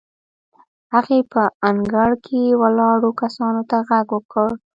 هغې په انګړ کې ولاړو کسانو ته غږ کړ.